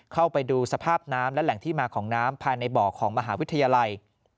เข้าไปดูสภาพน้ำและแหล่งที่มาของน้ำภายในบ่อของมหาวิทยาลัย